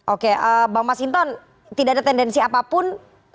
oke bang mas hinton tidak ada tendensi apapun